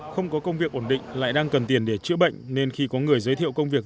không có công việc ổn định lại đang cần tiền để chữa bệnh nên khi có người giới thiệu công việc